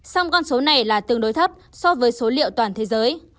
song con số này là tương đối thấp so với số liệu toàn thế giới